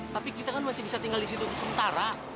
tapi kita kan masih bisa tinggal di situ sementara